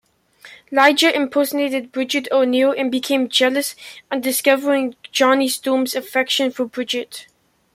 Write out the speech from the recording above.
Lyja impersonated Bridget O'Neil, and became jealous on discovering Johnny Storm's affection for Bridget.